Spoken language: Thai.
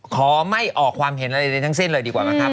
ขอไม่ออกความเห็นอะไรใดทั้งสิ้นเลยดีกว่านะครับ